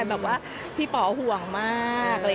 แบบว่าพี่ป๋อห่วงมาก